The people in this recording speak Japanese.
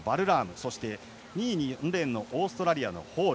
そして２位にオーストラリアのホール。